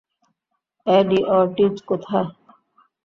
এডি Ortiz কোথায়?